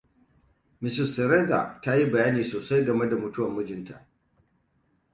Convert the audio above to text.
Mrs. Theresa ta yi bayani sosai game da mutuwar mijinta.